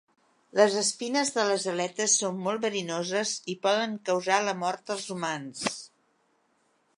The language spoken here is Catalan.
Les espines de les aletes són molt verinoses i poden causar la mort als humans.